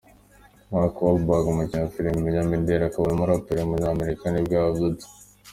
Mark Wahlberg, umukinnyi wa filime, umunyamideli, akaba n’umuraperi w’umunyamerika nibwo yavutse.